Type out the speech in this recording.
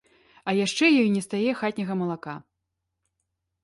А яшчэ ёй нестае хатняга малака.